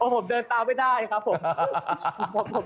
ผมเดินตามไม่ได้ครับผม